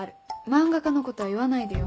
漫画家のことは言わないでよ。